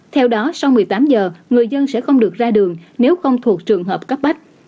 theo đó sau một mươi tám giờ người dân sẽ không được ra đường nếu không thuộc trường hợp cấp bách